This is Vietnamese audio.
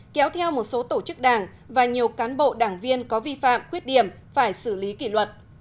kéo theo một số tổ chức đảng và nhiều cán bộ đảng viên có vi phạm khuyết điểm phải xử lý kỷ luật